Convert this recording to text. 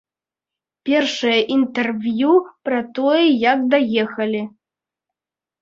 Першае інтэрв'ю пра тое, як даехалі.